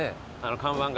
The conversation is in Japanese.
看板が。